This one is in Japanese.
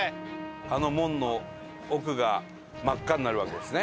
あの門の奥が真っ赤になるわけですね。